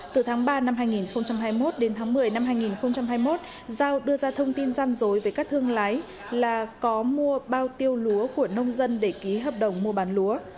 từ tháng ba năm hai nghìn hai mươi một đến tháng một mươi năm hai nghìn hai mươi một giao đưa ra thông tin gian dối với các thương lái là có mua bao tiêu lúa của nông dân để ký hợp đồng mua bán lúa